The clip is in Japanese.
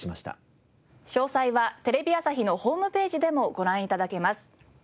詳細はテレビ朝日のホームページでもご覧頂けます。